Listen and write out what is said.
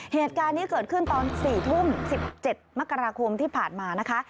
เหตุการณ์นี้เกิดขึ้นตอน๔ทุ่ม๑๗มกราคมที่ผ่านมานะคะ